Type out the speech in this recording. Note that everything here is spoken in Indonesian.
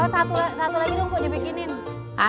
satu lagi rumput di pikirkan